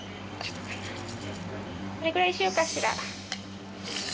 これぐらいにしようかしら。